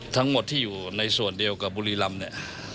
ทั้งหมดที่อยู่ในส่วนเดียวกับบุรีรำเนี่ย